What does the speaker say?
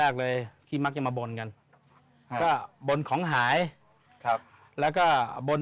ก็เบียดร้อนนะจะช่วย